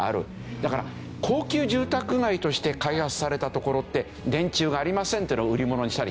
だから高級住宅街として開発された所って電柱がありませんっていうのを売り物にしたりしますよね。